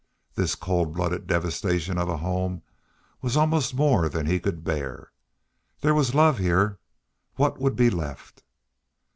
This cold blooded devastation of a home was almost more than he could bear. There was love here. What would be left?